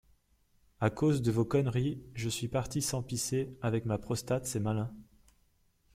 À cause de vos conneries, je suis parti sans pisser, avec ma prostate c’est malin.